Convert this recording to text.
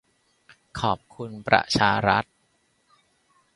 ขอบคุณประชารัฐ